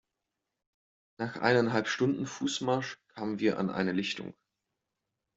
Nach eineinhalb Stunden Fußmarsch kamen wir an eine Lichtung.